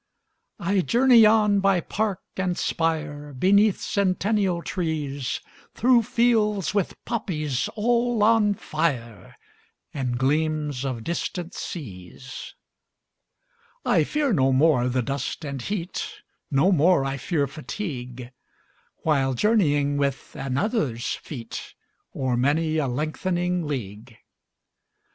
20 I journey on by park and spire, Beneath centennial trees, Through fields with poppies all on fire, And gleams of distant seas. I fear no more the dust and heat, 25 No more I fear fatigue, While journeying with another's feet O'er many a lengthening league.